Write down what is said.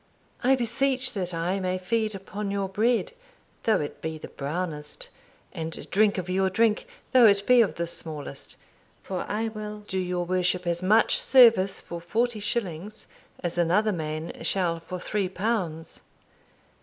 I beseech that I may feed upon your bread, though it be the brownest, and drink of your drink, though it be of the smallest; for I will do your Worship as much service for forty shillings as another man shall for three pounds."